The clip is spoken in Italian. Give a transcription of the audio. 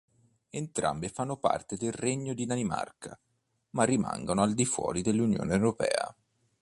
Entrambe fanno parte del Regno di Danimarca, ma rimangono al di fuori dell'Unione europea.